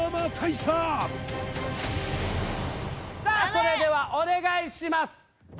それではお願いします